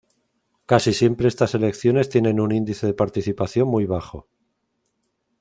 Casi siempre estas elecciones tienen un índice de participación muy bajo.